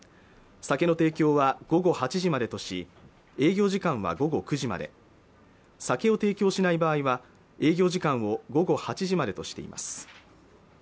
酒の提供は午後８時までとし営業時間は午後９時まで酒を提供しない場合は営業時間を午後８時までとしています